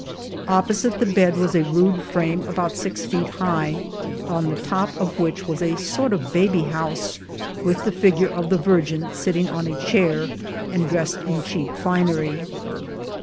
Opposite the bed was a rude frame about six feet high, on the top of which was a sort of babyhouse, with the figure of the Virgin sitting on a chair, and dressed in cheap finery.